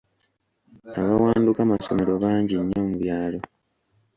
Abawanduka masomero bangi nnyo mu byalo.